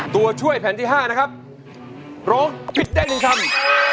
ตัวช่วยแผ่นที่๕นะครับร้องผิดได้๑คำ